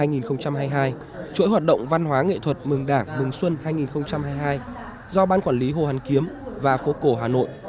hệ thuật mừng đảng mừng xuân hai nghìn hai mươi hai do ban quản lý hồ hàn kiếm và phố cổ hà nội